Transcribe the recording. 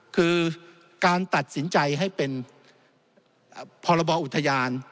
คือการตัดสินใจให้เป็นพรบอุทยาน